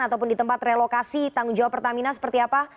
ataupun di tempat relokasi tanggung jawab pertamina seperti apa